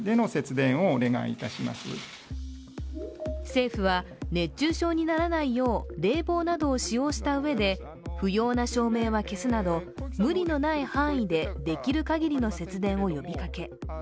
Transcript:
政府は熱中症にならないよう冷房などを使用したうえで不要な照明は消すなど無理のない範囲でできるかぎりの節電を呼びかけ。